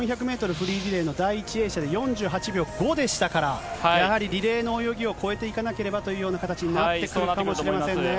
フリーリレーの第１泳者で４８秒５でしたから、やはりリレーの泳ぎを超えていかなければというような形になってくるかもしれませんね。